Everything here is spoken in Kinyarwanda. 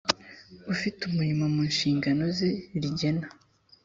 ufite umurimo mu nshingano ze rigena